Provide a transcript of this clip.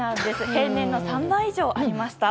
平年の３倍以上ありました。